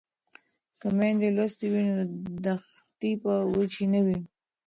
که میندې لوستې وي نو دښتې به وچې نه وي.